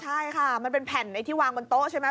ใช่ค่ะมันเป็นแผ่นที่วางบนโต๊ะใช่ไหม